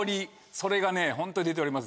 それがホント出ております